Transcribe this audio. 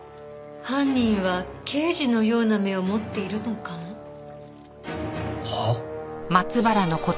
犯人は刑事のような目を持っているのかも。はあ？